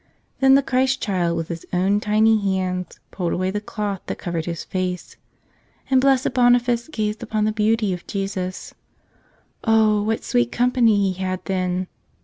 Then the Christ Child, with His own tiny hands, pulled away the cloth that covered His face. And Blessed Boniface gazed upon the beauty of Jesus. Oh, what sweet company he had then!